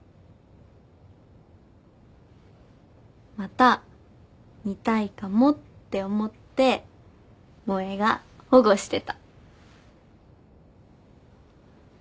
また見たいかもって思って萌が保護してた。